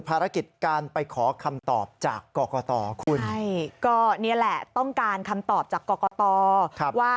ภารกิจการไปขอคำตอบจากกรกตคุณใช่ก็นี่แหละต้องการคำตอบจากกรกตว่า